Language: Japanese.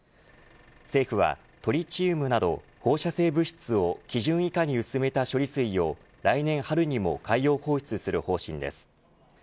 政府はトリチウムなど放射性物質を基準以下に薄めた処理水を来年春にも海洋放出する方針です。